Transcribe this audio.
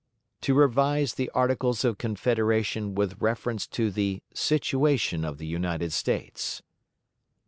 "To revise the Articles of Confederation with reference to the 'situation of the United States'; 2.